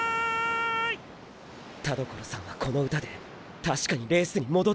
田所さんはこの歌で確かにレースに戻ってきた！！